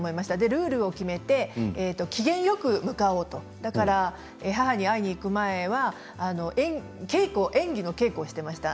ルールを決めて機嫌よく向かおうとだから母に会いに行く前は演技の稽古をしていました。